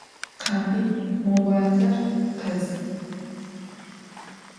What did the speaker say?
Khanbiy, mo vuater khedz!